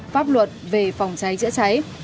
pháp luật về phòng cháy chữa cháy